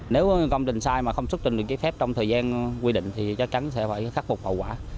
nếu công trình sai mà không xuất trình được cái phép trong thời gian quy định thì chắc chắn sẽ phải khắc phục hậu quả